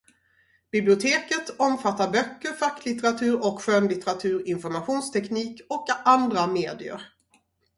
Biblioteket omfattar böcker, facklitteratur och skönlitteratur, informationsteknik och andra medier.